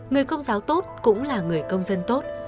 người công giáo tốt cũng là người công dân tốt